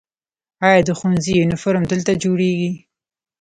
آیا د ښوونځي یونیفورم دلته جوړیږي؟